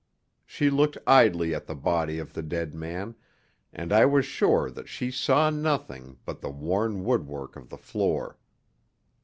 She looked idly at the body of the dead man, and I was sure that she saw nothing but the worn woodwork of the floor.